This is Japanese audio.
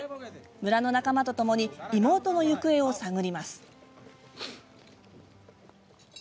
村の仲間とともに妹の行方を探ります。